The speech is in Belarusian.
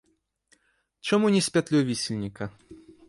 Чаму не з пятлёй вісельніка?